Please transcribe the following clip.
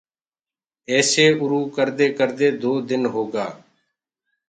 ايسي اُروُ ڪردي ڪردي دو دن هوگآ۔